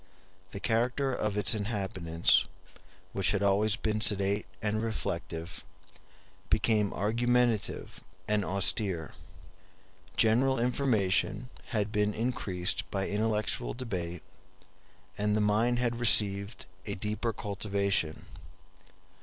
The character of its inhabitants, which had always been sedate and reflective, became argumentative and austere. General information had been increased by intellectual debate, and the mind had received a deeper cultivation.